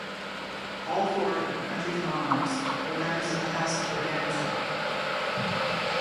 All four of the country's monarchs were members of the House of Braganza.